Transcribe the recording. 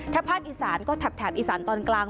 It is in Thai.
ถ้าภาคอีสานก็แถบอีสานตอนกลาง